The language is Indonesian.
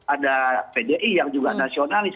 ada pdi yang juga nasionalis